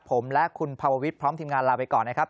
ผมและคุณภาววิทย์พร้อมทีมงานลาไปก่อนนะครับ